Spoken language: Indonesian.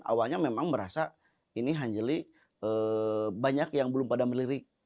awalnya memang merasa ini hanjeli banyak yang belum pada melirik